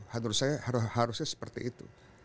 menurut saya harusnya seperti itu